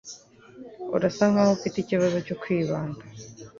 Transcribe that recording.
Urasa nkaho ufite ikibazo cyo kwibanda